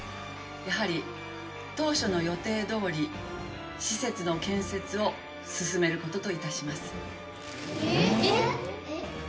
「やはり当初の予定どおり施設の建設を進める事と致します」えっ！？